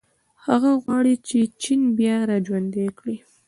هغه غواړي چې چین بیا راژوندی کړي.